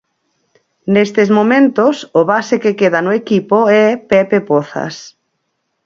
Nestes momentos o base que queda no equipo é Pepe Pozas.